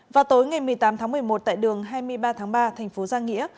vào tối ngày một mươi tám tháng một mươi một tại đường hai mươi ba tháng ba thành phố giang nghĩa